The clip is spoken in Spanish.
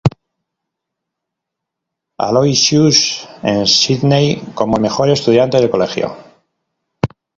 Aloysius, en Sídney, como el mejor estudiante del colegio.